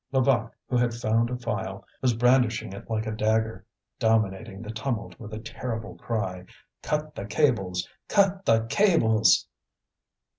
Levaque, who had found a file, was brandishing it like a dagger, dominating the tumult with a terrible cry: "Cut the cables! cut the cables!"